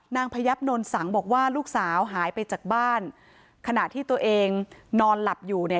พยับนนสังบอกว่าลูกสาวหายไปจากบ้านขณะที่ตัวเองนอนหลับอยู่เนี่ย